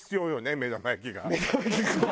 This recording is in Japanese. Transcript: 目玉焼きがこう。